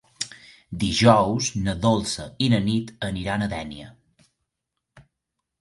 Dijous na Dolça i na Nit aniran a Dénia.